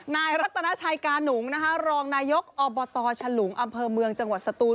นายรัตนาชัยกาหนุงนะคะรองนายกอบตฉลุงอำเภอเมืองจังหวัดสตูน